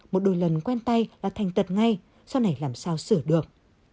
một đôi lần quen tay và thành tật ngay sau này làm sao sửa được